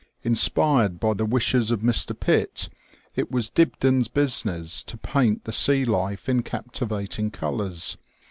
Inspired by the wishes of Mr. Pitt, it was Dibdin's business to paint the sea life in captivating colours.